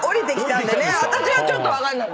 私はちょっと分かんない。